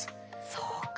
そうか。